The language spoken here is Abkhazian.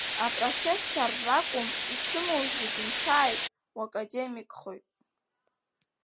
Апрофессорра акәым, исымоу зегьы мсааит, уакадемикхоит.